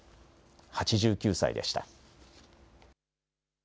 ８９歳でした。